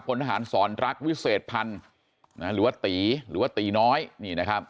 พลทหารสอนรักวิเศษพันธ์หรือว่าตีหรือว่าตีน้อยนี่นะครับ